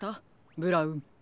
ブラウン。